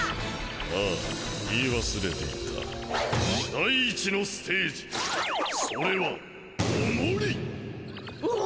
ああ言い忘れていた第１のステージそれ重り！？